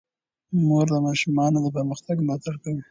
مور د ماشومانو د پرمختګ ملاتړ کوي.